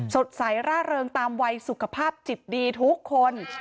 สดใสร่าเริงตามวัยสุขภาพจิตดีทุกคน